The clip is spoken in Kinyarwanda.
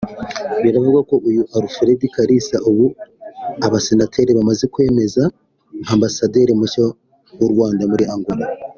Biravugwa ko uyu Alfred Kalisa ubu abasenateri bamaze kumwemeza nk’ambasaderi mushya w’u Rwanda muri Angola